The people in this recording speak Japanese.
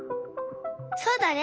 そうだね。